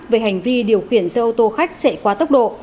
về hành vi điều khiển xe ô tô khách trễ qua tốc độ